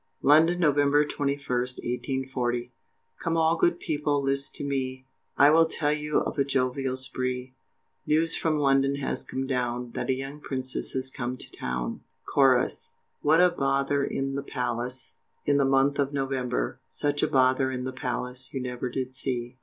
London, November 21st, 1840. Come all good people list to me, I will tell you of a jovial spree, News from London has come down, That a young princess has come to town. CHORUS. What a bother in the palace, In the month of November, Such a bother in the palace You never did see.